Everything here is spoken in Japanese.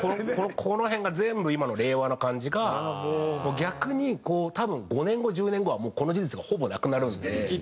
この辺が全部今の令和な感じが逆にこう多分５年後１０年後はこの事実がほぼなくなるんで。